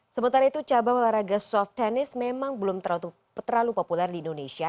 sementara itu cabang olahraga soft tennis memang belum terlalu populer di indonesia